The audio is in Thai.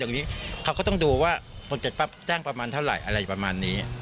เดี๋ยวนี้เขาก็ต้องดูว่าต้องเปลี่ยนแจ้งประมาณเท่าไหร่อะไรประมาณนี้